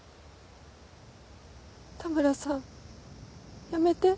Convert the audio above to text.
田村さんやめて。